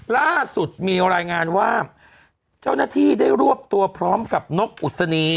ล่าสุดมีรายงานว่าเจ้าหน้าที่ได้รวบตัวพร้อมกับนกอุศนี